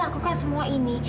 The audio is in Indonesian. dia sudah melakukan semua ini